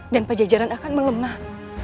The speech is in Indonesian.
dan pajajaran akan melemah